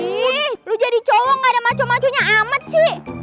ih lu jadi cowok nggak ada maco maconya amat sih